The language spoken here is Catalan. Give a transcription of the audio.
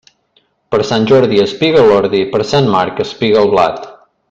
Per Sant Jordi espiga l'ordi; per Sant Marc, espiga el blat.